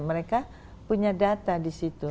mereka punya data di situ